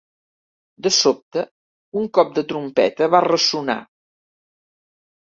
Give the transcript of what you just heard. De sobte, un cop de trompeta va ressonar